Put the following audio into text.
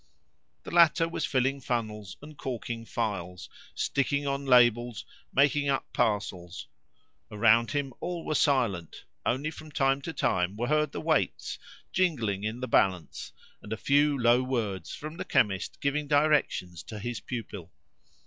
The latter was filling funnels and corking phials, sticking on labels, making up parcels. Around him all were silent; only from time to time, were heard the weights jingling in the balance, and a few low words from the chemist giving directions to his pupil.